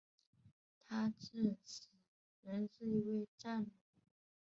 他至死仍是一位战俘。